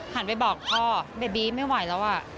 หันไปบอกพ่อเบบีไม่ไหวแล้วอ่ะ